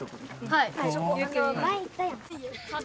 はい。